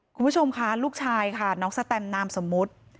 คุณผู้ชมค่ะลูกชายค่ะน้องสแตมนามสมมุติ